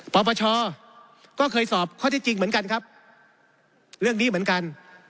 ปปชก็เคยสอบข้อที่จริงเหมือนกันครับเรื่องนี้เหมือนกัน